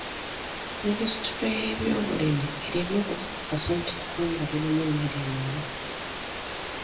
Minisitule y'ebyobulimi erina okukasa nti eggwanga lirimu emmere emala.